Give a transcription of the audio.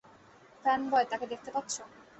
Fanboy, তাকে দেখতে পাচ্ছো?